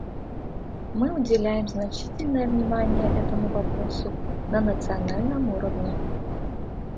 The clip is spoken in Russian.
Мы уделяем значительное внимание этому вопросу на национальном уровне.